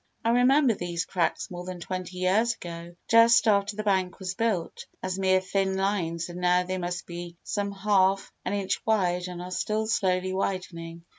I remember these cracks more than twenty years ago, just after the bank was built, as mere thin lines and now they must be some half an inch wide and are still slowly widening.